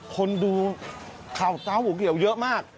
คนดูข้าวเช้าหัวเขียวเยอะมาก